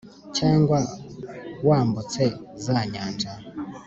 cyangwa wambutse za nyanja